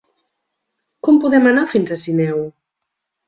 Com podem anar fins a Sineu?